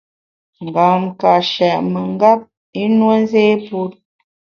Ngam ka shèt mengap, i nue nzé put.